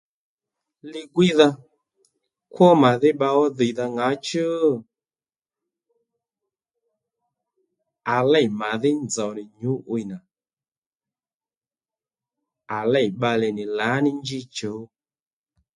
Li-gwiydha kwó màdhí bba ó dhìydha ŋǎchú? À lêy màdhí nzòw nì nyǔ'wiy nà à lêy bbalè nì lǎní njí chǔw